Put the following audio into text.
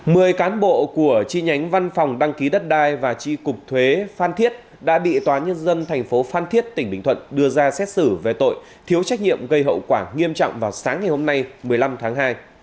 mười cán bộ của chi nhánh văn phòng đăng ký đất đai và chi cục thuế phan thiết đã bị tòa nhân dân thành phố phan thiết tỉnh bình thuận đưa ra xét xử về tội thiếu trách nhiệm gây hậu quả nghiêm trọng vào sáng ngày hôm nay một mươi năm tháng hai